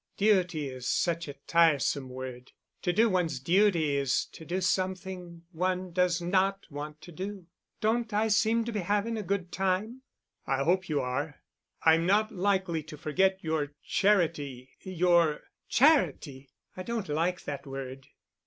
Duty is such a tiresome word. To do one's duty is to do something one does not want to do. Don't I seem to be having a good time?" "I hope you are. I'm not likely to forget your charity—your——" "Charity! I don't like that word."